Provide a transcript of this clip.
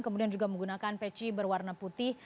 kemudian juga menggunakan peci berwarna putih